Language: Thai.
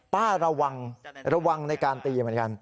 ป้าระวังระวังในการตีเหมือนกัน